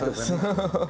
ハハハハ！